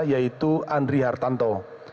yaitu andri hartanto